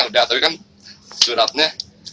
sudah tapi kan suratnya